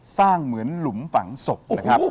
สร้างเหมือนหลุมฝังศพนะครับ